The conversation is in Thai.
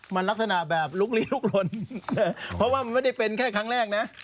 มันลักษณะแบบลุกลีลุกลนเพราะว่ามันไม่ได้เป็นแค่ครั้งแรกนะ